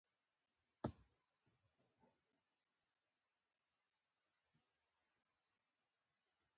کله چې د انګرېزانو د کلا سړک ته راورسېدو، رینالډي وویل.